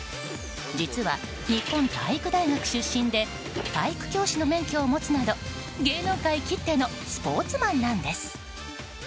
実は日本体育大学出身で体育教師の免許を持つなど芸能界きってのスポーツマンなんです。